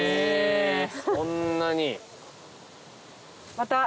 そんなに。